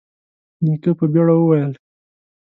نيکه په بيړه وويل: